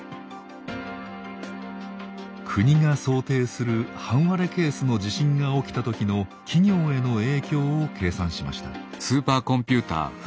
国が想定する半割れケースの地震が起きた時の企業への影響を計算しました。